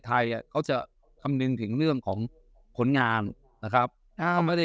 ไทยอ่ะเขาจะคำนึงถึงเรื่องของผลงานนะครับถ้าไม่ได้